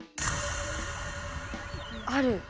ある！